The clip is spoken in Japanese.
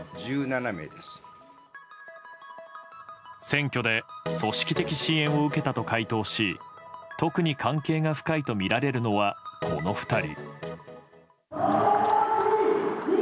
選挙で組織的支援を受けたと回答し特に関係が深いとみられるのはこの２人。